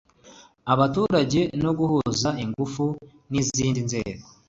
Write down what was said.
abaturage no guhuza ingufu n izindi nzego